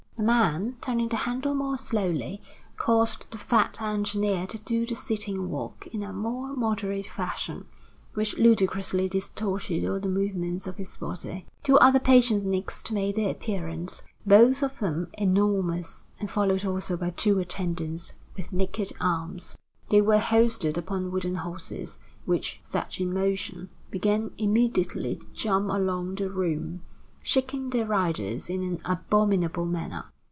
The man, turning the handle more slowly, caused the fat engineer to do the sitting walk in a more moderate fashion, which ludicrously distorted all the movements of his body. Two other patients next made their appearance, both of them enormous, and followed also by two attendants with naked arms. They were hoisted upon wooden horses, which, set in motion, began immediately to jump along the room, shaking their riders in an abominable manner.